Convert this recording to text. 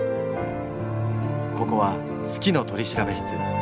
ここは「好きの取調室」。